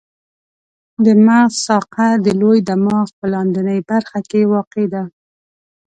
د مغز ساقه د لوی دماغ په لاندنۍ برخه کې واقع ده.